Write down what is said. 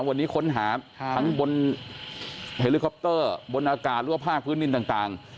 วันนี้ค้นหาทั้งบนเฮลิคอปเตอร์บนอากาศหรือว่าภาคพื้นดินต่าง